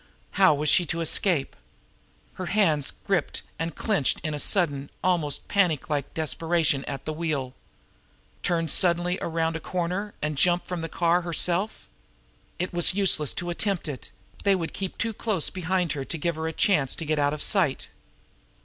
How was she to escape? Her hands gripped and clenched in a sudden, almost panic like desperation at the wheel. Turn suddenly around a corner, and jump from the car herself? It was useless to attempt it; they would keep too close behind to give her a chance to get out of sight.